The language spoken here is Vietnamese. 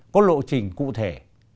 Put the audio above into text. có lộ trình cụ thể